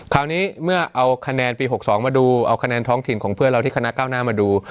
คราวนี้เมื่อเอาคะแนนปี๖๒มาดูเอาคะแนนท้องถิ่นของเพื่อนเราที่คณะเก้าหน้ามาดู